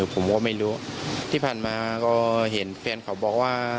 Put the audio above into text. ผมก็ไม่รู้ที่ผ่านมาก็เห็นแฟนเขาบอกว่า